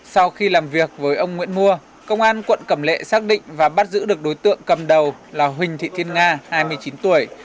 sau khi làm việc với ông nguyễn mua công an quận cẩm lệ xác định và bắt giữ được đối tượng cầm đầu là huỳnh thị thiên nga hai mươi chín tuổi